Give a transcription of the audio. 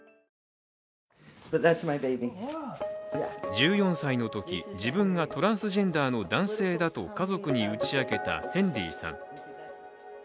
１４歳の時、自分がトランスジェンダーの男性だと家族に打ち明けたヘンリーさん。